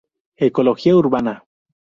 Ecología Urbana.